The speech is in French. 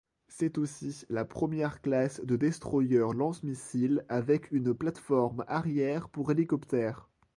C'est aussi la première classe de destroyers lance-missiles avec une plateforme arrière pour hélicoptère.